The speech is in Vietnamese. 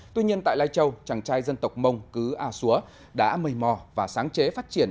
tuy nhiên tại lai châu chàng trai dân tộc mông cứ a xúa đã mây mò và sáng chế phát triển